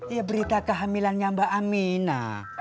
ya berita kehamilannya mbak amina